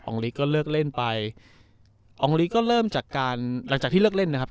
ลีกก็เลิกเล่นไปอองลีก็เริ่มจากการหลังจากที่เลิกเล่นนะครับ